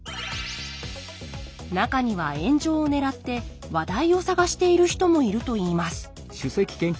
中には炎上をねらって話題を探している人もいるといいます